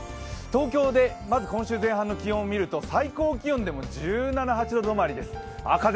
東京でまず今週前半の気温を見ると最高気温でも１７１８度止まりです。